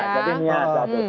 ya jadi niat